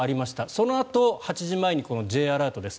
そのあと８時前にＪアラートです。